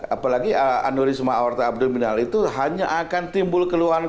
apalagi anurisma aorta abdominal itu hanya akan timbul keluhan